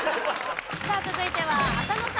さあ続いては浅野さん